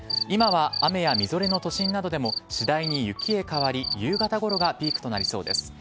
今は雨やみぞれの都心などでも次第に雪へ変わり夕方ごろがピークとなりそうです。